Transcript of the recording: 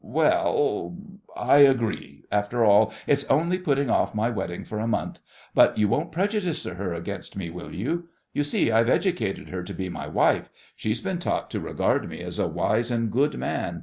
—well—I agree—after all, it's only putting off my wedding for a month. But you won't prejudice her against me, will you? You see, I've educated her to be my wife; she's been taught to regard me as a wise and good man.